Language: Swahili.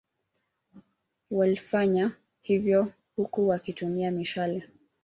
Wlifanya hivyo huku wakitumia mishale